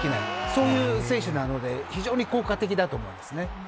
そういう選手なので非常に効果的だと思います。